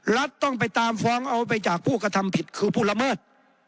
รัฐต้องไปตามฟ้องเอาไปจากผู้กระทำผิดคือผู้ละเมิด